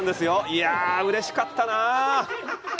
いやぁ、うれしかった！